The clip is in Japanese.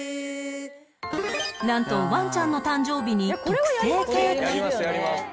なんとワンちゃんの誕生日に特製ケーキ